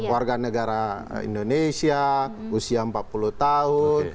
warga negara indonesia usia empat puluh tahun